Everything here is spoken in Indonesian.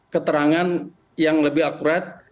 keterangan yang lebih akurat